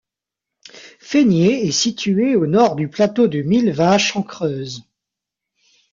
Féniers est située au Nord du plateau de Millevaches en Creuse.